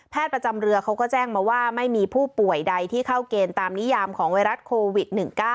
ประจำเรือเขาก็แจ้งมาว่าไม่มีผู้ป่วยใดที่เข้าเกณฑ์ตามนิยามของไวรัสโควิด๑๙